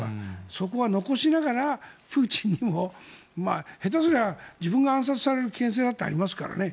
そこは残しながらプーチンの下手すりゃ自分が暗殺される形勢だってありますからね。